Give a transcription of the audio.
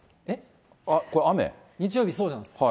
日曜日、そうなんです。